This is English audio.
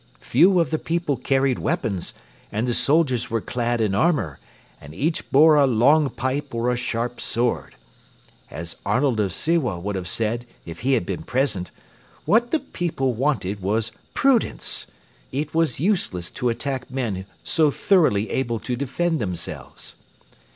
Few of the people carried weapons, and the soldiers were clad in armour, and each bore a long pike or a sharp sword. As Arnold of Sewa would have said if he had been present, what the people wanted was prudence. It was useless to attack men so thoroughly able to defend themselves.